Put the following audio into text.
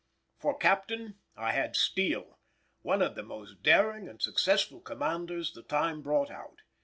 For captain I had Steele, one of the most daring and successful commanders the time brought out.